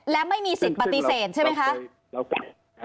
และไม่มีสิทธิ์ปฏิเสธใช่ไหมคะ